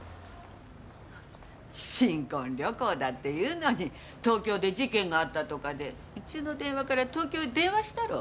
新婚旅行だっていうのに東京で事件があったとかでうちの電話から東京へ電話したろう。